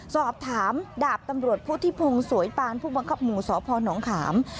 สอบถามดาบตำรวจพุทธิพงศ์สวยปานผู้บังคับหมู่สพนขาม